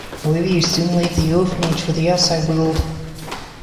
However, he soon left the orphanage for the outside world.